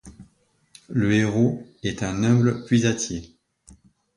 Le héros est un humble puisatier.